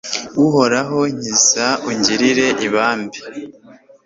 uhoraho, nkiza, ungirire ibambe